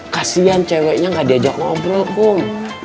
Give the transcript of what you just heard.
kasian ceweknya gak diajak ngobrol pun